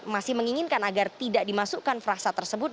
masih menginginkan agar tidak dimasukkan frasa tersebut